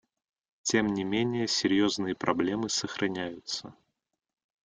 Тем не менее серьезные проблемы сохраняются.